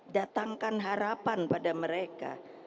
datangkan harapan pada mereka